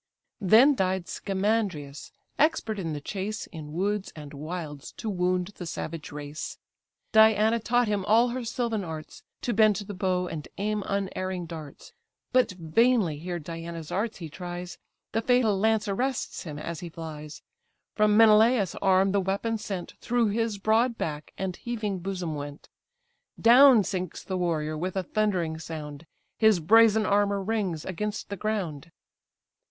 Then died Scamandrius, expert in the chase, In woods and wilds to wound the savage race; Diana taught him all her sylvan arts, To bend the bow, and aim unerring darts: But vainly here Diana's arts he tries, The fatal lance arrests him as he flies; From Menelaus' arm the weapon sent, Through his broad back and heaving bosom went: Down sinks the warrior with a thundering sound, His brazen armour rings against the ground.